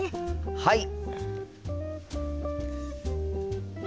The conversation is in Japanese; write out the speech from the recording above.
はい！